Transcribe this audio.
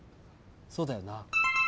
そうだよな。